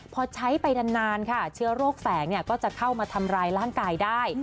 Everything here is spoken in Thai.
พอใช้ไปนานค่ะเชื้อโรคแฝงก็จะเข้ามาทำร้ายร่างกายได้